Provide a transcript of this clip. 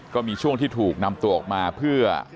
ก็มีช่วงที่ถูกนำตัวออกมาเพื่อ